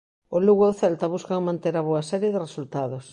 O Lugo e o Celta buscan manter a boa serie de resultados.